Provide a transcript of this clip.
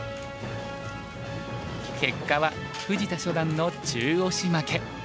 結果は藤田初段の中押し負け。